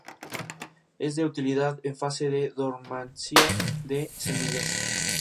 Hizo inferiores en Talleres de Córdoba.